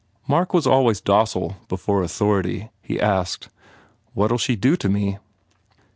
Mark was always docile before authority. He asked, "What ll she do to me?"